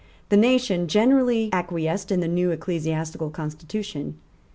The nation generally acquiesced in the new ecclesiastical constitution.